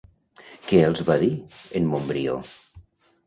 Què els va dir en Montbrió?